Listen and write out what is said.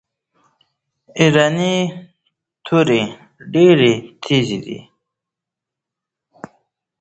ایرانۍ توري ډیري تیزي دي.